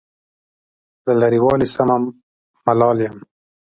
له لرې والي سمه ملال یم.